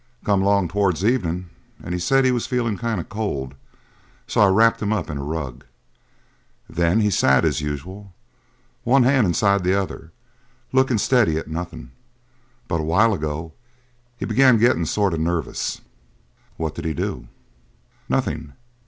"Come along towards evening and he said he was feeling kind of cold. So I wrapped him up in a rug. Then he sat some as usual, one hand inside of the other, looking steady at nothing. But a while ago he began getting sort of nervous." "What did he do?" "Nothing.